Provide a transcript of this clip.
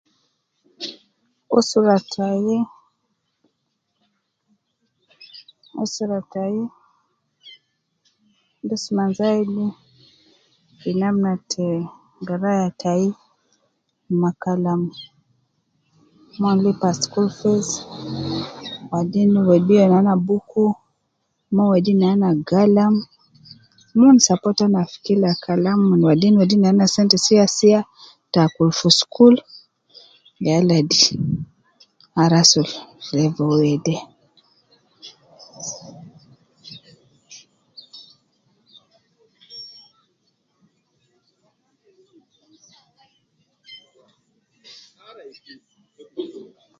Usra tai, usra tai dusman zaidi fi namna te garaya tai ma kalam mon lipa school fees, wadin wedi nana booku, mon wedi nana galam, mon support ana fi kila Kalam wadin wedi nana sente sia sia te akul fi school ya ladi an rasul fi level wede